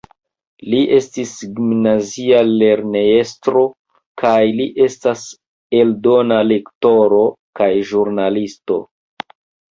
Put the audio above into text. Li estis gimnazia lernejestro, kaj li estas eldona lektoro kaj ĵurnalisto.